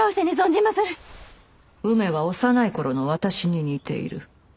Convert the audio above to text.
梅は幼い頃の私に似ている。